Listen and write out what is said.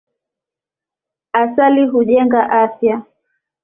Asali hujenga afya.